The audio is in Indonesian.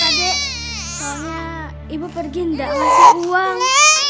soalnya ibu pergi enggak masih uang